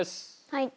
はい。